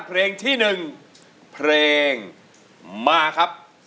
เพลงที่๑เพลงมาครับ